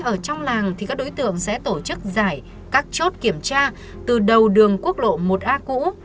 ở trong làng thì các đối tượng sẽ tổ chức giải các chốt kiểm tra từ đầu đường quốc lộ một a cũ